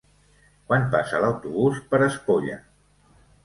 Quan passa l'autobús per Espolla?